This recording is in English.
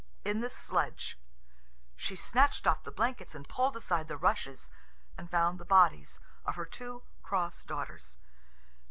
"In the sledge." She snatched off the blankets and pulled aside the rushes, and found the bodies of her two cross daughters.